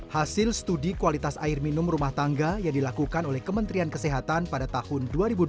hasil studi kualitas air minum rumah tangga yang dilakukan oleh kementerian kesehatan pada tahun dua ribu dua puluh